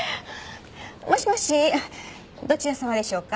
もしもしどちら様でしょうか？